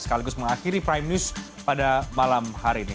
sekaligus mengakhiri prime news pada malam hari ini